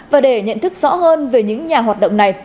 và để nhận thức rõ hơn về những nhà hoạt động này